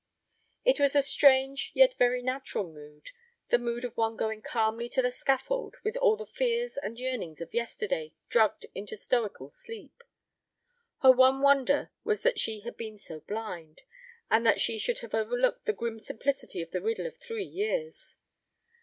It was a strange yet very natural mood, the mood of one going calmly to the scaffold with all the fears and yearnings of yesterday drugged into stoical sleep. Her one wonder was that she had been so blind, and that she should have overlooked the grim simplicity of the riddle of three years.